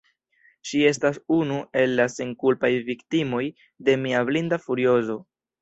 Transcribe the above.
Ŝi estas unu el la senkulpaj viktimoj de mia blinda furiozo.